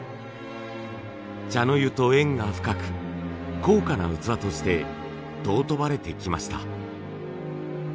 茶の湯と縁が深く高価な器として尊ばれてきました。